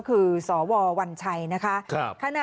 คุณสิริกัญญาบอกว่า๖๔เสียง